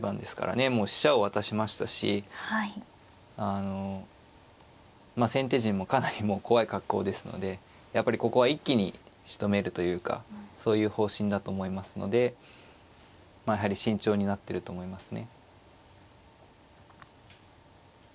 あのまあ先手陣もかなりもう怖い格好ですのでやっぱりここは一気にしとめるというかそういう方針だと思いますのでやはり慎重になってると思いますね。